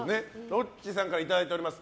ロッチさんからいただいております。